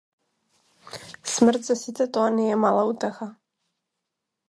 Смрт за сите тоа не е мала утеха.